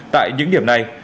tại những điểm này